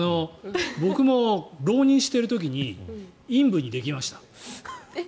僕も浪人している時に陰部にできました。